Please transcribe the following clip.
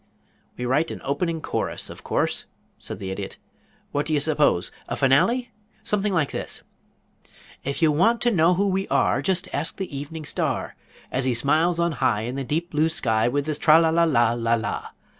"Write an opening chorus, of course," said the Idiot. "What did you suppose? A finale? Something like this: "If you want to know who we are, Just ask the Evening Star, As he smiles on high In the deep blue sky, With his tralala la la la.